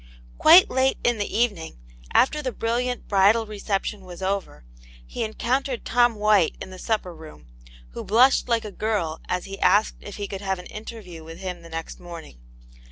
Quite late in the evening, after the brilliant bridal reception was over, he encountered To^ccv "^^vvX.^ \\n. 8o Atmt Jane's Hero. the supper room, who blushed like a girl as he asked if he could have an interview with him next morning.